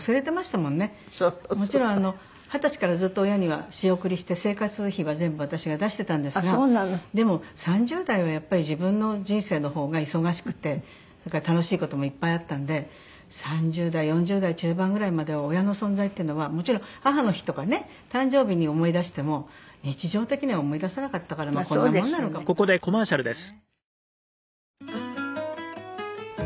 もちろん二十歳からずっと親には仕送りして生活費は全部私が出してたんですがでも３０代はやっぱり自分の人生の方が忙しくてそれから楽しい事もいっぱいあったので３０代４０代中盤ぐらいまでは親の存在っていうのはもちろん母の日とかね誕生日に思い出しても日常的には思い出さなかったからこんなもんなのかもなと思いますね。